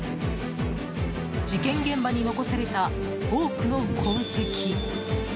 事件現場に残された多くの痕跡。